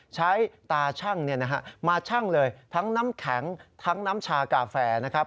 ตาชั่งมาชั่งเลยทั้งน้ำแข็งทั้งน้ำชากาแฟนะครับ